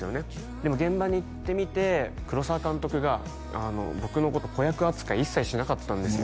でも現場に行ってみて黒沢監督が僕のこと子役扱い一切しなかったんですよ